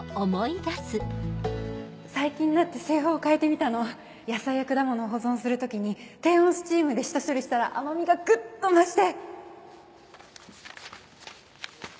最近になって製法を変えてみ野菜や果物を保存する時に低温スチームで下処理したら甘みがぐっと増して！